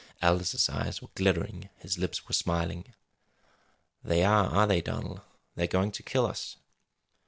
Aldous' eyes were glittering; his lips were smiling. "They are, are they, Donald? They're going to kill us?"